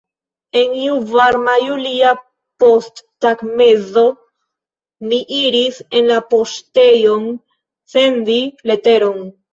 En iu varma julia posttagmezo mi iris en la poŝtejon sendi leteron.